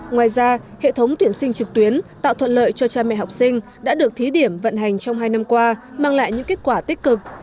ngoài ra hệ thống tuyển sinh trực tuyến tạo thuận lợi cho cha mẹ học sinh đã được thí điểm vận hành trong hai năm qua mang lại những kết quả tích cực